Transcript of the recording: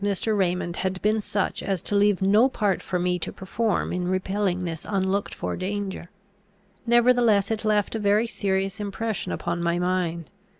] The spirit and energy of Mr. Raymond had been such as to leave no part for me to perform in repelling this unlooked for danger. Nevertheless, it left a very serious impression upon my mind.